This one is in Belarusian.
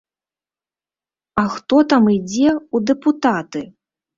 А хто там ідзе ў дэпутаты?